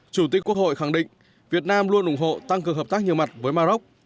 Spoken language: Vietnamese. chủ tịch quốc hội khẳng định việt nam luôn ủng hộ tăng cường hợp tác nhiều mặt với maroc